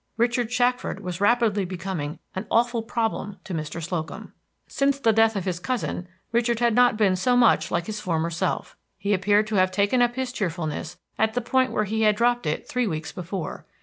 Richard Shackford was rapidly becoming an awful problem to Mr. Slocum. Since the death of his cousin, Richard had not been so much like his former self. He appeared to have taken up his cheerfulness at the point where he had dropped it three weeks before.